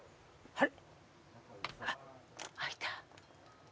・はい。